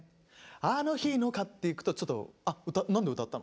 「あの日の」っていくとちょっと何で歌ったの？